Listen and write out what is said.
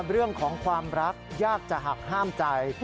เรื่องของความรักยากจะหักห้ามใจ